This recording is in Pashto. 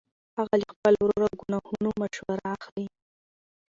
هغه له خپل ورور او کاهنانو مشوره اخلي.